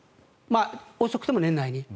遅くとも年内に。